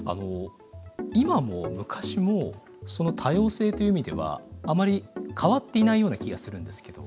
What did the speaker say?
今も昔も多様性という意味ではあまり変わっていないような気がするんですけどどうなんでしょう？